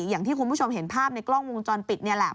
อย่างที่คุณผู้ชมเห็นภาพในกล้องวงจรปิดนี่แหละ